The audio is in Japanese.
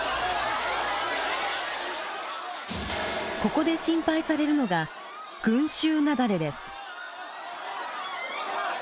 ここで心配されるのが群集雪崩です。